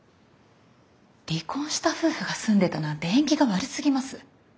離婚した夫婦が住んでたなんて縁起が悪すぎます。